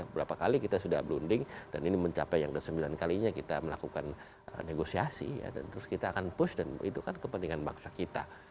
berapa kali kita sudah berunding dan ini mencapai yang sembilan kalinya kita melakukan negosiasi ya dan terus kita akan push dan itu kan kepentingan bangsa kita